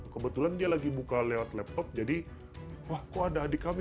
kebetulan dia lagi buka lewat laptop jadi wah kok ada adik kami